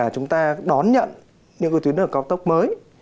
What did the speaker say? chúng ta đón nhận những tuyến đường cao tốc mới